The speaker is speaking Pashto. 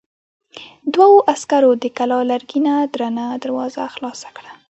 دوو عسکرو د کلا لرګينه درنه دروازه خلاصه کړه.